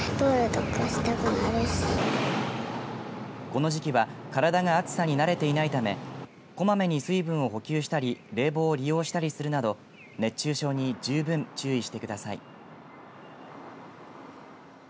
この時期は体が暑さに慣れていないためこまめに水分を補給したり冷房を利用したりするなど熱中症に十分注意してください。